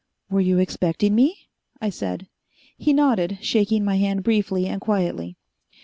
"Were you expecting me?" I said. He nodded, shaking my hand briefly and quietly.